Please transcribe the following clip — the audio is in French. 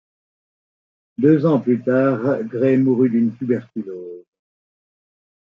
Deux ans plus tard, Gray mourut de tuberculose.